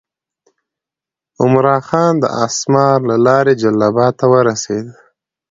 عمرا خان د اسمار له لارې جلال آباد ته ورسېد.